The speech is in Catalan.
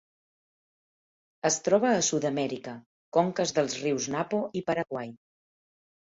Es troba a Sud-amèrica: conques dels rius Napo i Paraguai.